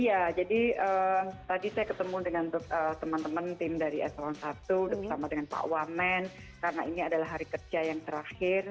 iya jadi tadi saya ketemu dengan teman teman tim dari eselon i bersama dengan pak wamen karena ini adalah hari kerja yang terakhir